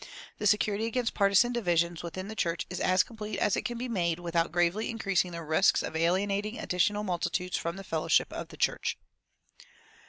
The security against partisan division within the church is as complete as it can be made without gravely increasing the risks of alienating additional multitudes from the fellowship of the church.